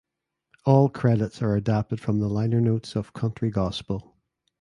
All credits are adapted from the liner notes of "Country Gospel".